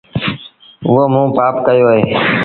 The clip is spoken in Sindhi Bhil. هئو موݩ پآپ ڪيو اهي۔